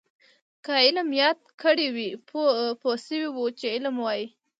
که علم یاد کړی وی پوه شوي وو چې علم وايي.